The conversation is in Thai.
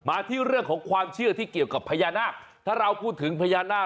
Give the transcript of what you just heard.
ที่เรื่องของความเชื่อที่เกี่ยวกับพญานาคถ้าเราพูดถึงพญานาค